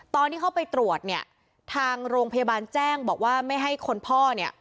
ตอนที่เข้าไปตรวจเนี่ยทางโรงพยาบาลแจ้งบอกว่าไม่ให้คนพ่อเนี่ย